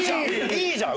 いいじゃん！